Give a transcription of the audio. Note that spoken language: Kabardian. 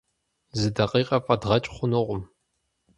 Зы дакъикъэ фӀэдгъэкӀ хъунукъым.